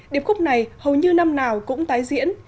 điệp khúc này hầu như năm nào cũng tái diễn